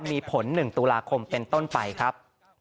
มีผล๑ตุลาคมเป็นต้นไปครับ